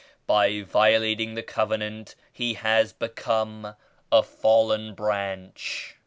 By violating the Covenant he has become a fallen branch.